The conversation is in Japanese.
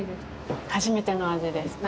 初めての味です。